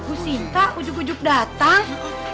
bu sinta ujub ujub datang